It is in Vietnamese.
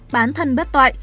bán thân bất tội